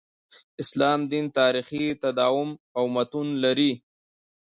اسلام دین تاریخي تداوم او متون لري.